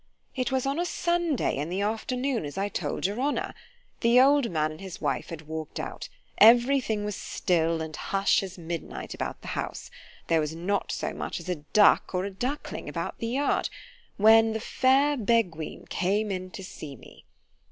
It was on a Sunday, in the afternoon, as I told your honour. The old man and his wife had walked out—— Every thing was still and hush as midnight about the house—— There was not so much as a duck or a duckling about the yard—— ——When the fair Beguine came in to see me.